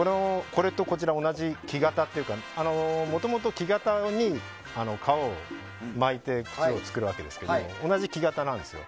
これと同じ木型というかもともと、木型に革を巻いて靴を作るわけですけど同じ木型なんですよ。